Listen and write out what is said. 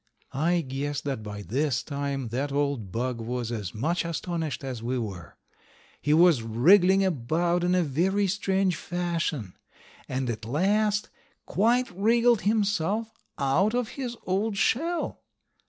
I guess that by this time that old bug was as much astonished as we were. He was wriggling about in a very strange fashion, and at last quite wriggled himself out of his old shell.